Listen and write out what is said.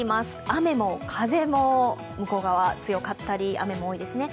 雨も風も向こう側、強かったり雨も多いですね。